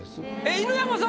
犬山さん